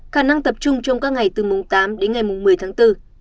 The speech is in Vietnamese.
khả năng tập trung trong các ngày từ mùng tám đến ngày mùng một mươi tháng bốn